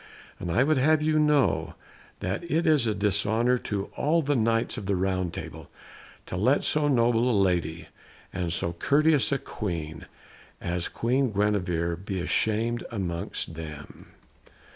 And I would have you know that it is a dishonour to all the Knights of the Round Table to let so noble a lady and so courteous a Queen as Queen Guenevere be shamed amongst them."